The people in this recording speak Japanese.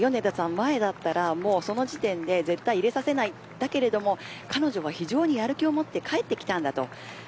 ２カ月離れたら前だったらその時点で絶対入れさせないだけれども、彼女は非常にやる気を持って帰ってきたんだと。